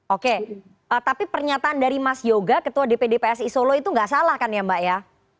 oke tapi pernyataan dari mas yoga ketua dpd psi solo itu nggak salah kan ya mbak ya